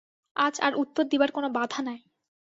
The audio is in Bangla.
আজ আর উত্তর দিবার কোনো বাধা নাই।